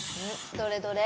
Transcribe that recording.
どれどれ。